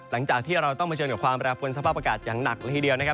หลังจากที่เราต้องเผชิญกับความแปรปวนสภาพอากาศอย่างหนักละทีเดียวนะครับ